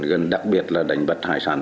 gần đặc biệt là đánh bắt hải sản